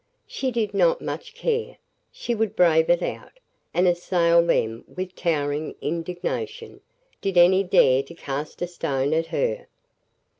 She did not much care; she would brave it out, and assail them with towering indignation, did any dare to cast a stone at her.